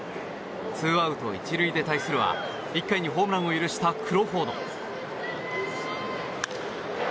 ツーアウト、１塁で対するは１回にホームランを許したクロフォード。